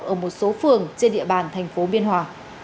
ở một số phường trên địa bàn thành phố biên hòa